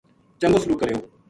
چنگو سلوک کریو